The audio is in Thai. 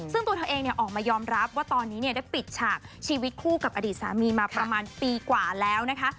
ซึ่งตัวเธอเองออกมายอมรับว่าตอนนี้ได้ปิดฉากชีวิตคู่กับอดีตสามีมาประมาณปีกว่าแล้วนะคะ